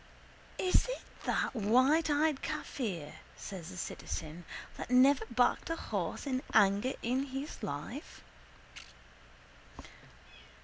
—Is it that whiteeyed kaffir? says the citizen, that never backed a horse in anger in his life?